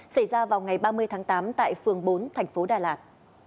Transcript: xảy ra vào ngày ba mươi tám tại phường bốn tp đà lạt